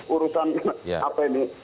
urusan apa ini